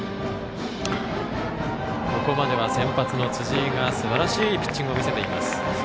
ここまでは先発の辻井がすばらしいピッチングを見せています。